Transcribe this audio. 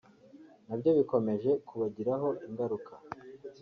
nabyo bikomeje kubagiraho ingaruka